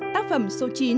tác phẩm số chín